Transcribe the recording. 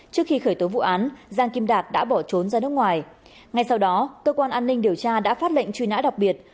trước khi khởi tố vụ án giang kim đạt đã bỏ trốn ra nước ngoài ngay sau đó cơ quan an ninh điều tra đã phát lệnh truy nã đặc biệt